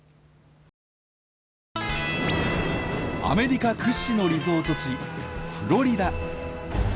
アメリカ屈指のリゾート地フロリダ。